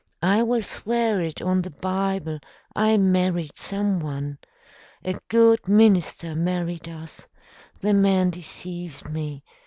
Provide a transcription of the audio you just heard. I will swear it on the Bible I married someone. A good minister married us. The man deceived me.